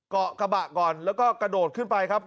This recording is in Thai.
เกาะกระบะก่อนแล้วก็กระโดดขึ้นไปครับ